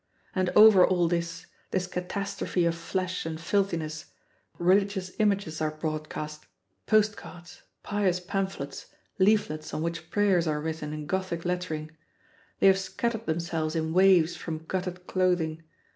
And over all this, this catastrophe of flesh and filthiness, religious images are broadcast, post cards, pious pamphlets, leaflets on which prayers are written in Gothic lettering they have scattered themselves in waves from gutted clothing.